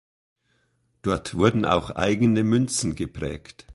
Dort wurden auch eigene Münzen geprägt.